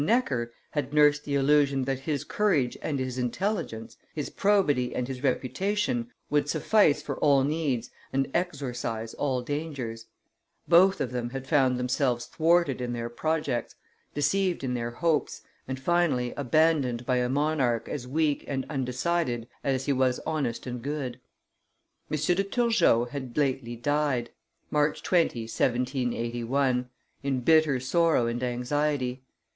Necker had nursed the illusion that his courage and his intelligence, his probity and his reputation would suffice for all needs and exorcise all dangers; both of them had found themselves thwarted in their projects, deceived in their hopes, and finally abandoned by a monarch as weak and undecided as he was honest and good. M. de Turgot had lately died (March 20, 1781), in bitter sorrow and anxiety; M.